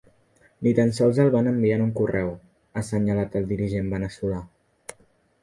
“Ni tan sols el van enviar en un correu”, ha assenyalat el dirigent veneçolà.